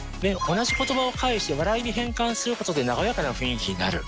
同じ言葉を返して笑いに変換することで和やかな雰囲気になる。